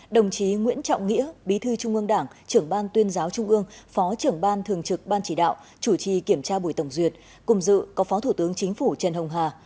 đồng chí nguyễn trọng nghĩa bí thư trung ương đảng trưởng ban tuyên giáo trung ương phó trưởng ban thường trực ban chỉ đạo chủ trì kiểm tra buổi tổng duyệt cùng dự có phó thủ tướng chính phủ trần hồng hà